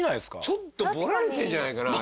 ちょっとぼられてるんじゃないかな？